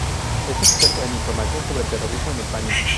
Es experto en información sobre terrorismo en España.